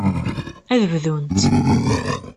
Ad bdunt.